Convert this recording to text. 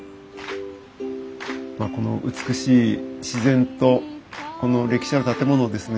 まあこの美しい自然とこの歴史ある建物をですね